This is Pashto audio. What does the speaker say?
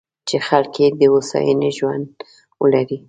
چې خلک یې د هوساینې ژوند ولري.